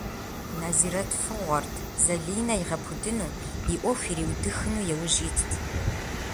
Нэзирэт фыгъуэрт, Зэлинэ игъэпудыну, и ӏуэху ириудыхыну яужь итт.